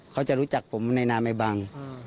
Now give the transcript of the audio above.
เขาจะรู้จักผมในนามัยบัง